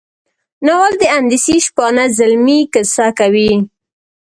ناول د اندلسي شپانه زلمي کیسه کوي.